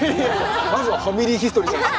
まずは「ファミリーヒストリー」でしょ。